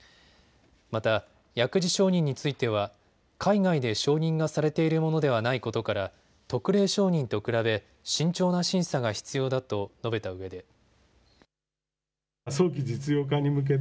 また薬事承認については海外で承認がされているものではないことから特例承認と比べ慎重な審査が必要だと述べたうえで。